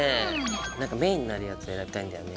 何かメインになるやつを選びたいんだよね。